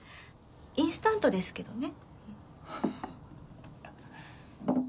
インスタントですけどね。